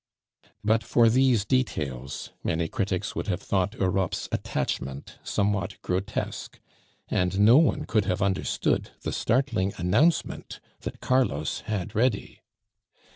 But for these details, many critics would have thought Europe's attachment somewhat grotesque. And no one could have understood the startling announcement that Carlos had ready.